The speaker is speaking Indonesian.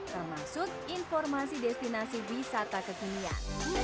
termasuk informasi destinasi wisata kekinian